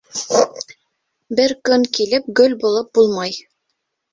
Бер көн килеп гөл булып булмай.